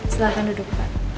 silahkan duduk pak